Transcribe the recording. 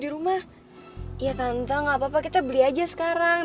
iya tante gak apa apa kita beli aja sekarang